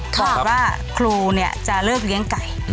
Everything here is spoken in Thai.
บอกว่าครูจะเลิกเลี้ยงไก่